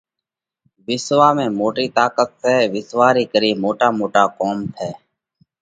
وِسواه ۾ موٽئِي طاقت سئہ۔ وِسواه ري ڪري موٽا موٽا ڪوم ٿئه